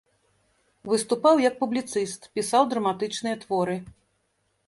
Выступаў як публіцыст, пісаў драматычныя творы.